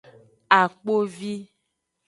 Akpovi.